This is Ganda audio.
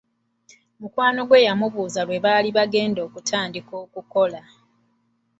Mukwano gwe yamubuuza lwe baali bagenda okutandika okukola.